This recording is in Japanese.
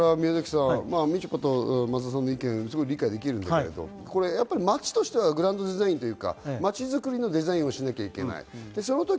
宮崎さん、みちょぱと松田さんの意見理解できるんだけど、街としてはグランドデザインというか、まちづくりのデザインをしなきゃいけない。